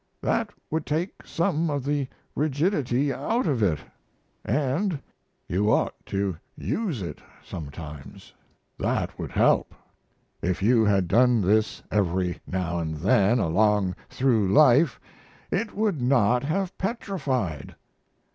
That would take some of the rigidity out of it. And you ought to use it sometimes; that would help. If you had done this every now & then along through life it would not have petrified.